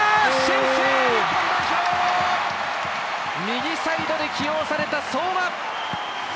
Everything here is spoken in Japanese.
右サイドで起用された相馬！